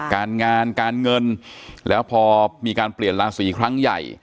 การงานการเงินแล้วพอมีการเปลี่ยนราศีครั้งใหญ่